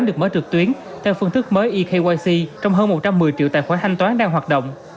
được mở trực tuyến theo phương thức mới ekyc trong hơn một trăm một mươi triệu tài khoản thanh toán đang hoạt động